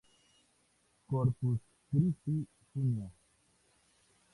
Corpus Christi, junio.